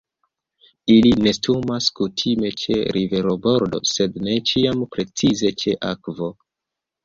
Ili nestumas kutime ĉe riverbordo, sed ne ĉiam precize ĉe akvo.